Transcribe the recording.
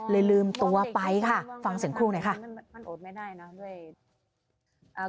ลืมตัวไปค่ะฟังเสียงครูหน่อยค่ะ